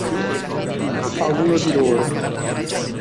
A uno di loro.